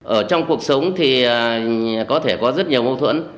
ở trong cuộc sống thì có thể có rất nhiều mâu thuẫn